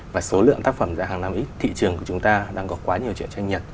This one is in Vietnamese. và số lượng tác phẩm ra hàng năm ít thị trường của chúng ta đang có quá nhiều chuyện tranh nhật